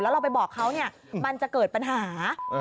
แล้วเราไปบอกเขามันจะเกิดปัญหา